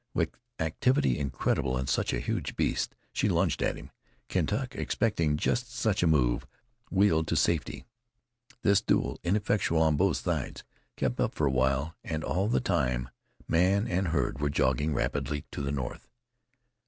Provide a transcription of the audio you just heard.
With activity incredible in such a huge beast, she lunged at him. Kentuck, expecting just such a move, wheeled to safety. This duel, ineffectual on both sides, kept up for a while, and all the time, man and herd were jogging rapidly to the north.